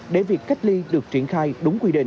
để việc cách ly được triển khai đúng quy định